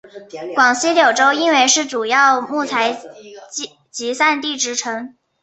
广西柳州因为是主要木材集散地之称。